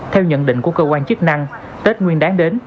theo nhận định của cơ quan chức năng tết nguyên đáng đến